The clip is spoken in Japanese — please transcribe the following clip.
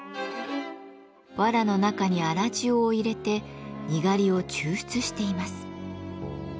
わらの中に粗塩を入れてにがりを抽出しています。